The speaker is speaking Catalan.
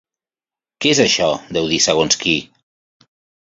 Què és això, deu dir segons qui.